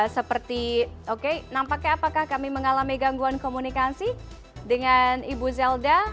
seperti oke nampaknya apakah kami mengalami gangguan komunikasi dengan ibu zelda